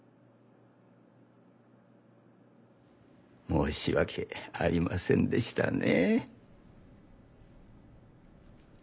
申し訳ありませんでしたね。